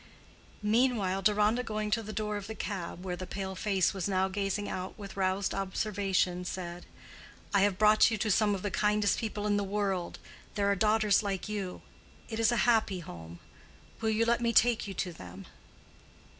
Meanwhile Deronda going to the door of the cab where the pale face was now gazing out with roused observation, said, "I have brought you to some of the kindest people in the world: there are daughters like you. It is a happy home. Will you let me take you to them?"